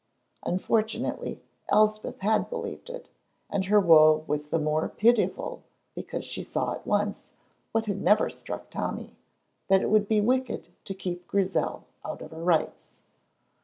Unfortunately Elspeth had believed it, and her woe was the more pitiful because she saw at once, what had never struck Tommy, that it would be wicked to keep Grizel out of her rights.